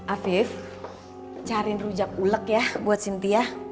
afif cariin rujak ulek ya buat cynthia